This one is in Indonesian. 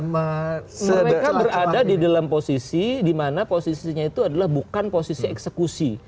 mereka berada di dalam posisi di mana posisinya itu adalah bukan posisi eksekusi